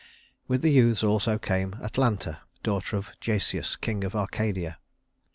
With the youths came also Atalanta, daughter of Jasius, king of Arcadia.